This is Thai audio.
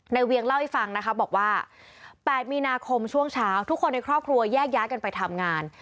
เวียงเล่าให้ฟังนะคะบอกว่า๘มีนาคมช่วงเช้าทุกคนในครอบครัวแยกย้ายกันไปทำงาน